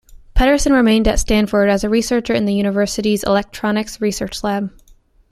Pederson remained at Stanford as a researcher in the university's electronics research lab.